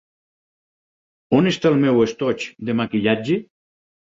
On està el meu estoig de maquillatge?